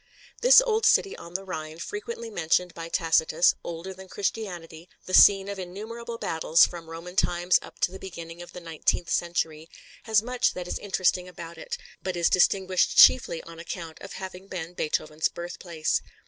This old city on the Rhine, frequently mentioned by Tacitus, older than Christianity, the scene of innumerable battles from Roman times up to the beginning of the nineteenth century, has much that is interesting about it, but is distinguished chiefly on account of having been Beethoven's birthplace.